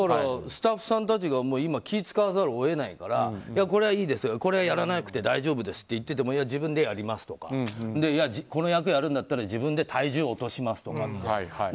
スタッフさんたちが気を使わざるを得ないからこれはいいですよこれはやらなくて大丈夫と言ってもいや、自分でやりますとかこの役をやるんだったら自分で体重を落としますとか。